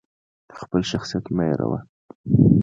خپل شخصیت مه هیروه!